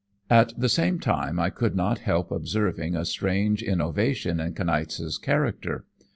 At the same time I could not help observing a strange innovation in Kniaz's character.